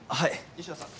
・西田さん。